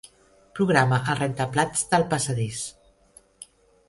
Programa el rentaplats del passadís.